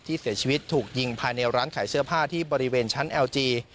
เสียชีวิตถูกยิงภายในร้านขายเสื้อผ้าที่บริเวณชั้นแอลจี